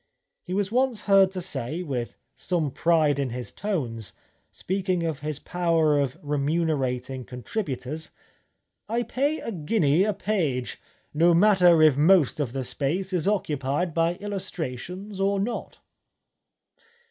He was once heard to say, with some pride in his tones, speaking of his power of remunerating contributors : "I pay a guinea a page, no matter if most of the space is occupied by illustrations or not."